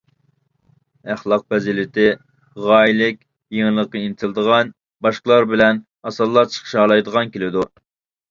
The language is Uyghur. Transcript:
ئەخلاق-پەزىلىتى: غايىلىك، يېڭىلىققا ئىنتىلىدىغان، باشقىلار بىلەن ئاسانلا چىقىشالايدىغان كېلىدۇ.